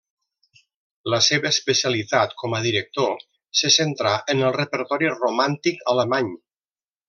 La seva especialitat com a director se centrà en el repertori romàntic alemany.